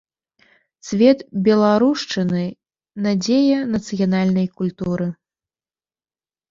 Цвет беларушчыны, надзея нацыянальнай культуры!